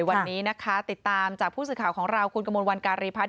วันนี้นะคะติดตามจากผู้สื่อข่าวของเราคุณกระมวลวันการีพัฒน